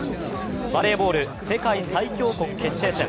バレーボール、世界最強国決定戦。